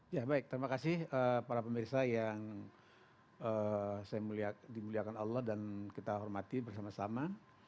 ya baik terima kasih para pemirsa yang saya dimuliakan allah dan kita hormati bersama sama